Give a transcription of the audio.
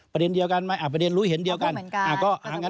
ประเด็นเดียวกันไหมประเด็นรู้เห็นเดียวกัน